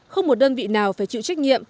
không một đơn vị nào phải chịu trách nhiệm